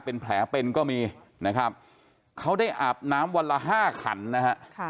เป็นแผลเป็นก็มีนะครับเขาได้อาบน้ำวันละห้าขันนะฮะ